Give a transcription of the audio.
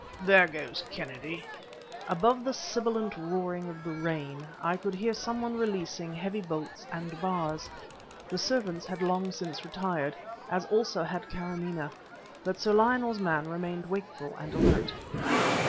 "There goes Kennedy." Above the sibilant roaring of the rain I could hear some one releasing heavy bolts and bars. The servants had long since retired, as also had Kâramaneh; but Sir Lionel's man remained wakeful and alert.